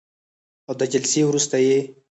او د جلسې وروسته یې